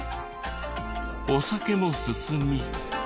お酒も進み。